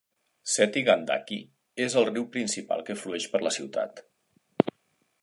Seti Gandaki és el riu principal que flueix per la ciutat.